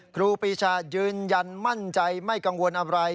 ครูปีชายืนยันมั่นใจไม่กังวลอะไร